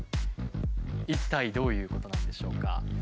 一体どういうことなんでしょうか？